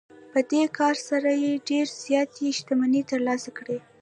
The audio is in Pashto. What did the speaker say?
په دې کار سره یې ډېرې زیاتې شتمنۍ ترلاسه کړې